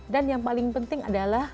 dan yang paling penting adalah